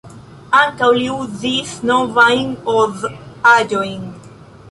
Ankaŭ li uzis "novajn" Oz-aĵojn.